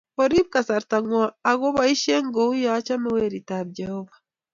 Orib kasarta ngwo ako boishee kouyo chame Werit ab Jehovah